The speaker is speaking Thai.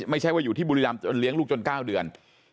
ไม่ใช่ว่าอยู่ที่บุรีรำจนเลี้ยงลูกจน๙เดือน